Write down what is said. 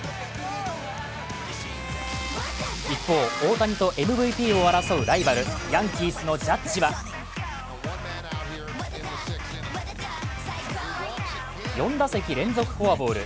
一方、大谷とＭＶＰを争うヤンキースのジャッジは４打席連続フォアボール。